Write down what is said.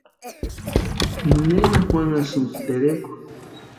¿Nena juanhasïnki terekwa?